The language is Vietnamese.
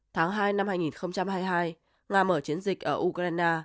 tháng hai năm hai nghìn hai mươi hai nga mở chiến dịch ở ukraine